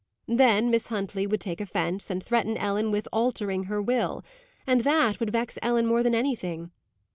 Then Miss Huntley would take offence, and threaten Ellen with "altering her will," and that would vex Ellen more than anything.